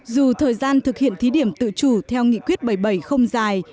dù thời gian thực hiện thí điểm tự chủ theo nghị quyết bảy mươi bảy không dài